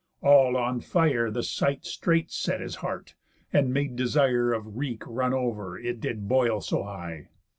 All on fire The sight straight set his heart, and made desire Of wreak run over, it did boil so high.